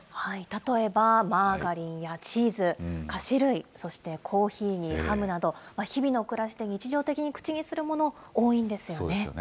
例えばマーガリンやチーズ、菓子類、そしてコーヒーにハムなど、日々の暮らしで日常的に口にするもの、そうですよね。